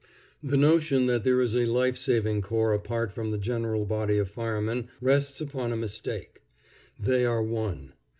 The notion that there is a life saving corps apart from the general body of firemen rests upon a mistake. They are one.